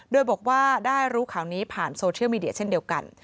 โดยบอกว่าได้รู้ข่าวนี้ผ่านโซเชียลมีเดียเช่นเดียวกัน